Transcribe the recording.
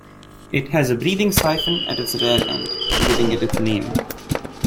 It has a breathing siphon at its rear end, giving it its name.